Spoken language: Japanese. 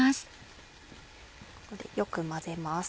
ここでよく混ぜます。